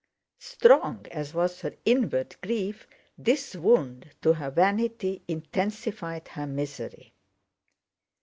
Strong as was her inward grief, this wound to her vanity intensified her misery.